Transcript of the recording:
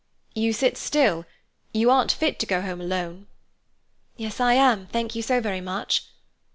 "You sit still; you aren't fit to go home alone." "Yes, I am, thank you so very much."